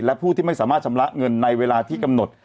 และผู้ที่ไม่สามารถชำระเงินในเวลาที่กำหนด